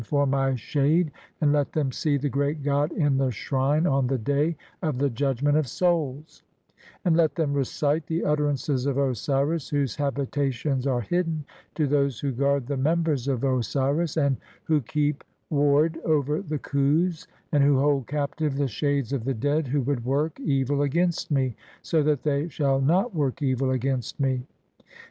153 "for my shade, and let [them] see the Great God in the shrine "(9) on the day of the judgment of souls, and let [them] recite "the utterances of Osiris, whose habitations are hidden, to those "who guard the members of Osiris, and (10) who keep ward "over the Khus, and who hold captive the shades of the dead "who would work (11) evil against me, so that they shall [not] "work evil against me.